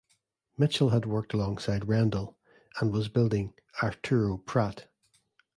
Mitchell had worked alongside Rendel, and was building "Arturo Prat".